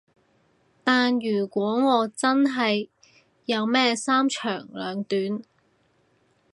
但如果我真係有咩三長兩短